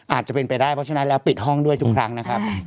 อาจจะเป็นไปได้เพราะฉะนั้นแล้วปิดห้องด้วยทุกครั้งนะครับ